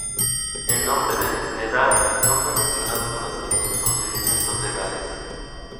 El nombre de Needham no fue mencionado durante los procedimientos legales.